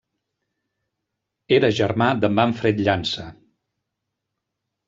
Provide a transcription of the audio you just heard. Era germà de Manfred Llança.